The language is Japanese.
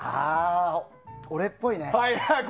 俺っぽいね。